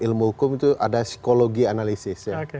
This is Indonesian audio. di dalam ilmu hukum itu ada psikologi analisis